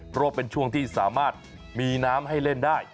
เพราะว่าเป็นช่วงที่สามารถมีน้ำให้เล่นได้